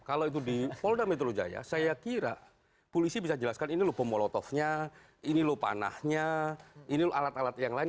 kalau itu di polda metro jaya saya kira polisi bisa jelaskan ini loh pemolotovnya ini loh panahnya ini loh alat alat yang lain